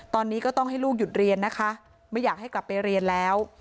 ตอนนี้ก็ต้องให้ลูกหยุดเรียนนะคะไม่อยากให้กลับไปเรียนแล้ว